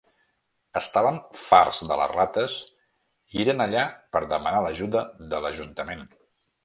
Estaven farts de les rates i eren allà per demanar l'ajuda de l'Ajuntament.